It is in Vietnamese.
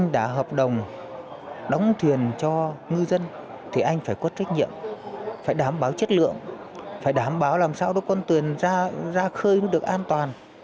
các cộng đồng đóng thuyền cho ngư dân thì anh phải có trách nhiệm phải đảm bảo chất lượng phải đảm bảo làm sao đó con thuyền ra khơi mới được an toàn